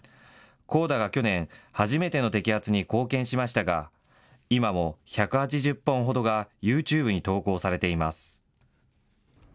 ＣＯＤＡが去年、初めての摘発に貢献しましたが、今も１８０本ほどがユーチューブに投稿されています。